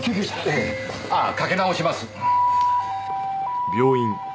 ええ。ああ掛け直します。